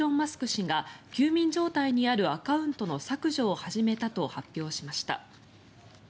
氏が休眠状態にあるアカウントの削除を始めたと発表しました。